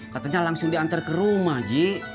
katanya langsung diantar ke rumah ji